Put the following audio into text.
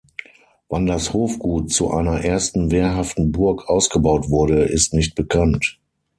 Wann das Hofgut zu einer ersten wehrhaften Burg ausgebaut wurde, ist nicht bekannt.